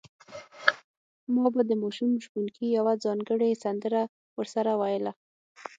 ما به د ماشوم شپونکي یوه ځانګړې سندره ورسره ویله.